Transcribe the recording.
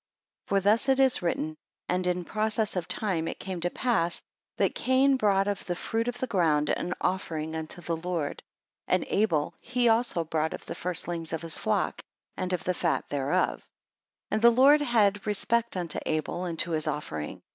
FOR thus it is written, And in process of time it came to pass, that Cain brought of the fruit of the ground an offering unto the Lord. And Abel, he also brought of the firstlings of his flock, and of the fat thereof: 2 And the Lord had respect unto Abel, and to his offering.